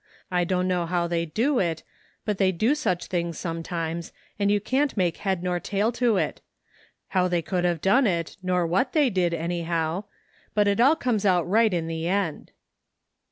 I dunno how they do it, but they do such things some times, and you can't make head nor tail to it — how they could have done it, nor what they did, anyhow — but it all comes out right in the end."